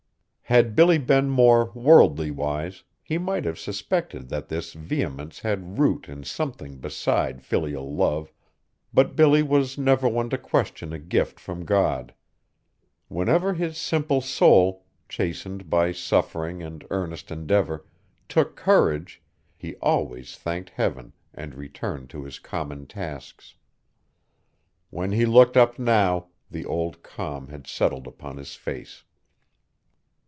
Had Billy been more worldly wise, he might have suspected that this vehemence had root in something beside filial love, but Billy was never one to question a gift from God. Whenever his simple soul, chastened by suffering and earnest endeavor, took courage, he always thanked heaven and returned to his common tasks. When he looked up now, the old calm had settled upon his face.